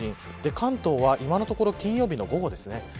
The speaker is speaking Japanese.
関東今のところ金曜日の午後ですね。